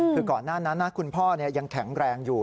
คือก่อนหน้านั้นนะคุณพ่อยังแข็งแรงอยู่